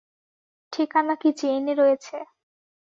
ঠিকানা কী চেইনে রয়েছে।